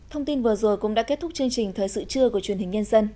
thông tin vừa rồi cũng đã kết thúc chương trình thời sự trưa của truyền hình nhân dân